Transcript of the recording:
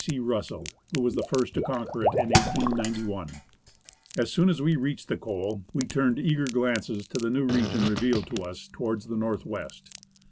C. Russell, who was the first to conquer it, in 1891. As soon as we reached the col, we turned eager glances to the new region revealed to us towards the north west.